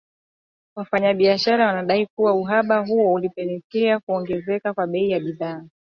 Wafanyabiashara wanadai kuwa uhaba huo ulipelekea kuongezeka kwa bei za bidhaa